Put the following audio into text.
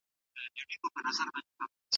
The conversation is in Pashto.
کله باید د ذهن د خلاصون لپاره اوږد مزل وکړو؟